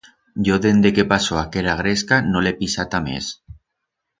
Yo dende que pasó aquera gresca no la he pisata mes